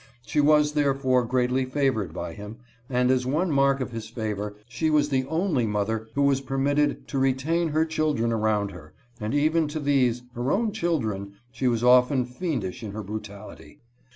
She was therefore greatly favored by him — and as one mark of his favor she was the only mother who was permitted to retain her children around her, and even to these, her own children, she was often fiendish in her brutality.